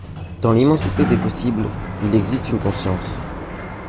Dans l’immensité des possibles, il existe une conscience.